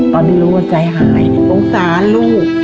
ตอนที่รู้ว่าใจหายโปรดสารลูก